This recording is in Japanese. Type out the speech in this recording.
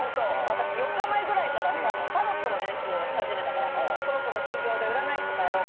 私４日前ぐらいからさタロットの練習をし始めたからそろそろ副業で占い師とかやろうかなと。